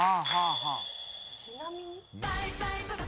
「ちなみに」？